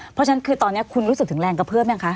เพราะฉะนั้นคือตอนนี้คุณรู้สึกถึงแรงกระเพื่อมยังคะ